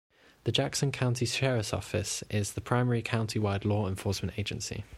The Jackson County Sheriff's Office is the primary county-wide law enforcement agency.